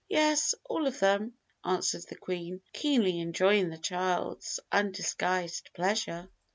"Yes, all of them," answered the Queen, keenly enjoying the child's undisguised pleasure.